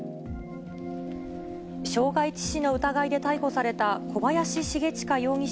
傷害致死の疑いで逮捕された、小林繁哉容疑者